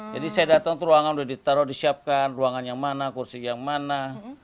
jadi saya datang ke ruangan udah ditaruh disiapkan ruangan yang mana kursi yang mana